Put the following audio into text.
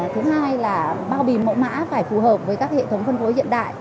thứ hai là bao bì mẫu mã phải phù hợp với các hệ thống phân phối hiện đại